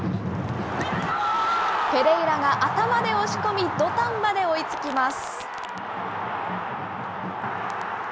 ペレイラが頭で押し込み、土壇場で追いつきます。